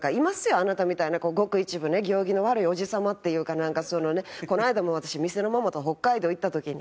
あなたみたいなごく一部ね行儀の悪いおじ様っていうかなんかそのねこの間も私店のママと北海道行った時に。